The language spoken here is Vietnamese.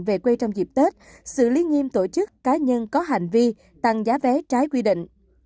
về quê trong dịp tết xử lý nghiêm tổ chức cá nhân có hành vi tăng giá vé trái quy định